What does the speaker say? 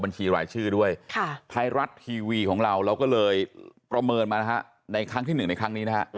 บัญชีรายชื่อด้วยไทยรัฐทีวีของเราเราก็เลยประเมินมานะฮะในครั้งที่๑ในครั้งนี้นะฮะ